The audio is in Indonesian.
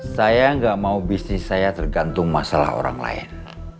saya nggak mau bisnis saya tergantung masalah orang lain